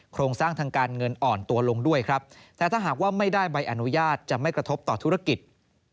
โครงสร้างทางการเงินอ่อนตัวลงด้วยครับแต่ถ้าหากว่าไม่ได้ใบอนุญาตจะไม่กระทบต่อธุรกิจ